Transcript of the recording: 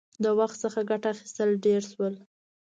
• د وخت څخه ګټه اخیستل ډېر شول.